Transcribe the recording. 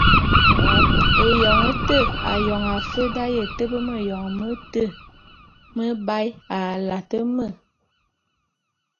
Éyoň té ayong afe d’aye tebe méyoñ mete mebae a late me.